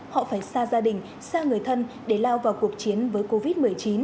họ phải xa gia đình xa người thân để lao vào cuộc chiến với covid một mươi chín